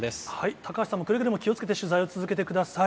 高橋さんもくれぐれも気をつけて取材を続けてください。